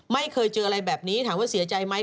ไม่เคยเจออะไรแบบนี้ถามว่าเสียใจไหม